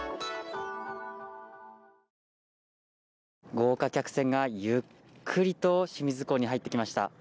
豪華客船がゆっくりと清水港に入ってきました。